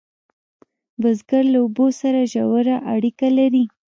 بزګر له اوبو سره ژوره اړیکه لري